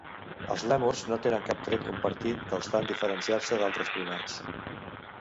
Els lèmurs no tenen cap tret compartit que els fan diferenciar-se d'altres primats.